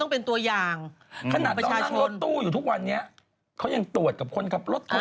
เขายังตรวจกับคนขับรถ